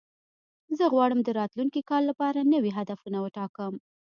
زه غواړم د راتلونکي کال لپاره نوي هدفونه وټاکم.